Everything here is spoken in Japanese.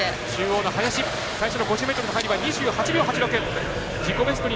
最初の５０ｍの入りは２８秒８６。